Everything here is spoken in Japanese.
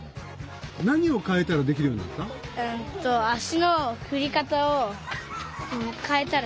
何を変えたらできるようになった？